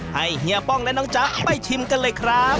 เฮียป้องและน้องจ๊ะไปชิมกันเลยครับ